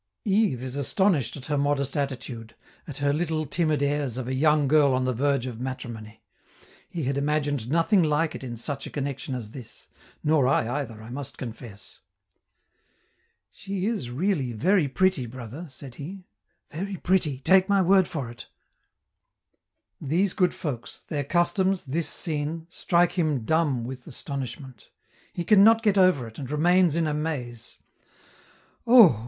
Yves is astonished at her modest attitude, at her little timid airs of a young girl on the verge of matrimony; he had imagined nothing like it in such a connection as this, nor I either, I must confess. "She is really very pretty, brother," said he; "very pretty, take my word for it!" These good folks, their customs, this scene, strike him dumb with astonishment; he can not get over it, and remains in a maze. "Oh!